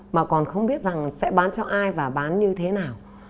mà còn không biết rằng sẽ bán cho ai và bán như thế nào